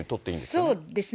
そうですね。